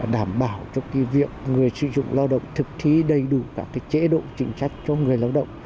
đảm bảo cho cái việc người sử dụng lao động thực thí đầy đủ các cái chế độ chính trách cho người lao động